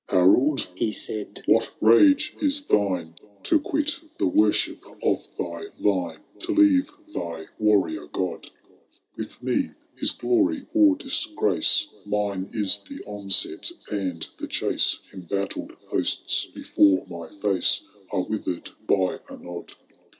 XIV. *^ Harold, he said, *^ what rage is thine, To quit the worship of thy line, To leave thy Warrior^God ?— With me is glory or diiigrace, Mine is the onset and the chase, Embattled hosts before my fiu^e Are withered by a nod.